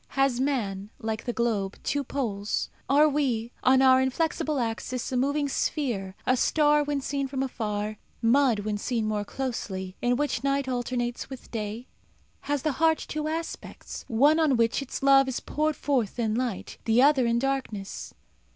Has man, like the globe, two poles? Are we, on our inflexible axis, a moving sphere, a star when seen from afar, mud when seen more closely, in which night alternates with day? Has the heart two aspects one on which its love is poured forth in light; the other in darkness?